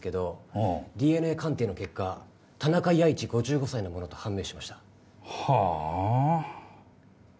ああＤＮＡ鑑定の結果田中弥一５５歳のものと判明しましたはあ